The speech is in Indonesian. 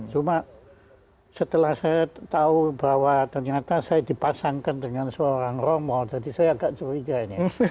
cuma setelah saya tahu bahwa ternyata saya dipasangkan dengan seorang romo jadi saya agak curiga ini